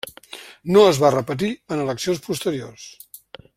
No es va repetir en eleccions posteriors.